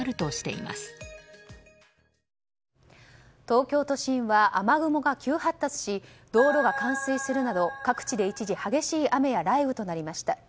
東京都心は雨雲が急発達し道路が冠水するなど各地で一時激しい雨や雷雨となりました。